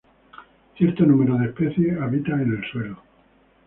Cierto número de especies habitan en el suelo.